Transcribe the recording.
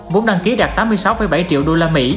vốn đăng ký đạt tám mươi sáu bảy triệu usd